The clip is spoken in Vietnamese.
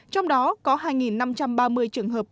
trong đó có hai năm trăm ba mươi trường hợp